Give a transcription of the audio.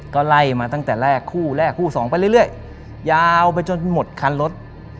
ก็ไล่มาตั้งแต่แรกคู่แรกคู่สองไปเรื่อยยาวไปจนหมดคันรถ